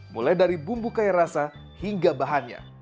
mulai dari bumbu kaya rasa hingga bahannya